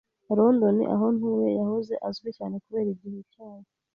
London, aho ntuye, yahoze azwi cyane kubera igihu cyayo.